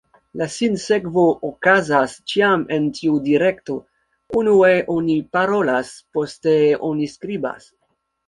La sinsekvo okazas ĉiam en tiu direkto: unue oni parolas, poste oni skribas.